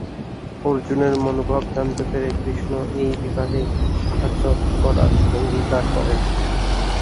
অর্জুনের মনোভাব জানতে পেরে কৃষ্ণ এই বিবাহে সাহায্য করার অঙ্গীকার করেন।